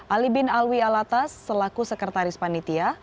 alibin alwi alatas selaku sekretaris panitia